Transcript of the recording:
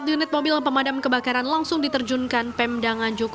empat unit mobil pemadam kebakaran langsung diterjunkan pemda nganjuk